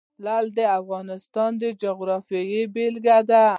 لعل د افغانستان د جغرافیې بېلګه ده.